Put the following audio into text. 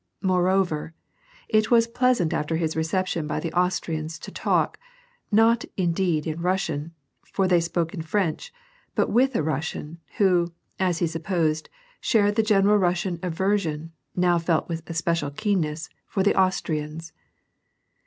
Moreover, it was pleasant after his reception by the Austrians to talk, not indeed in Russian, for they spoke in French, but with a Russian who, as he supposed, shared the general Russian aver sion, now felt with especial keenness, for the Austrians.